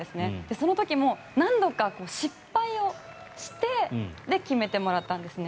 その時も何度か失敗をして決めてもらったんですね。